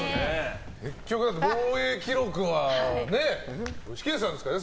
防衛記録は具志堅さんですからね。